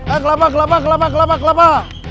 eh kelapa kelapa kelapa kelapa kelapa